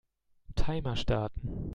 Timer starten.